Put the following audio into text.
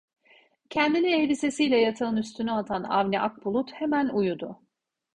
Kendini elbisesiyle yatağın üstüne atan Avni Akbulut hemen uyudu.